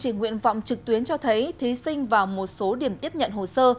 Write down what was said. nguyện vọng trực tuyến cho thấy thí sinh vào một số điểm tiếp nhận hồ sơ